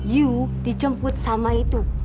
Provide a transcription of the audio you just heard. yuk dijemput sama itu